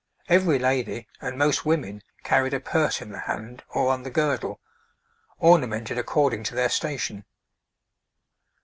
Every lady and most women carried a purse in the hand or on the girdle, ornamented according to their station.